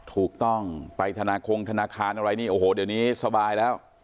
ถูกต้องไปธนาคงธนาคารอะไรนี่โอ้โหเดี๋ยวนี้สบายแล้ว